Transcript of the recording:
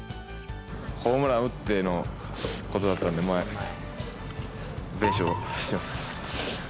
ホームラン打ってのことだったので、まあ、弁償します。